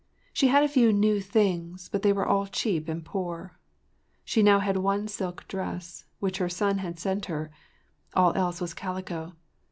She had a few new things, but they were all cheap and poor. She now had one silk dress—which her son had sent her. All else was calico.